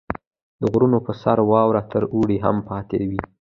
• د غرونو په سر واوره تر اوړي هم پاتې وي.